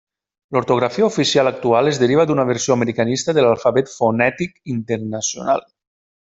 L'ortografia oficial actual es deriva d'una versió americanista de l'alfabet fonètic internacional.